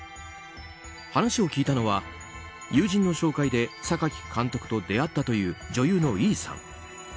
話を聞いたのは、友人の紹介で榊監督と出会ったという女優のＥさん。